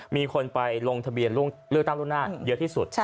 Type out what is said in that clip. มีคนไปลงทะเบียนเลือกตั้งล่วงหน้าเยอะที่สุด